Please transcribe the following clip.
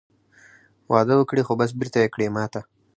وعده وکړې خو بس بېرته یې کړې ماته